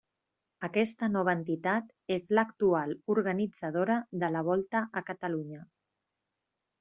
Aquesta nova entitat és l'actual organitzadora de la Volta a Catalunya.